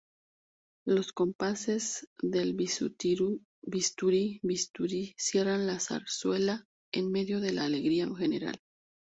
Los compases del "Bisturí, Bisturí" cierran la zarzuela en medio de la alegría general.